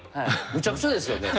むちゃくちゃですよね。